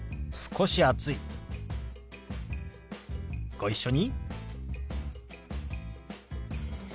ご一緒に。